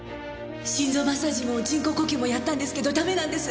心臓マッサージも人工呼吸もやったんですけどダメなんです。